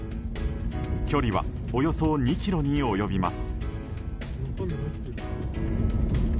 距離はおよそ２ｋｍに及びます。